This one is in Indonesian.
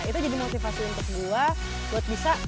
itu jadi motivasi untuk gue buat bisa